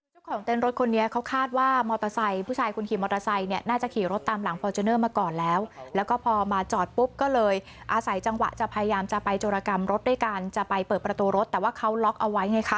เจ้าของเติมรถคนนี้เขาคาดว่ามอเตอร์ไซค์ผู้ชายคุณขี่มอเตอร์ไซค์เนี่ย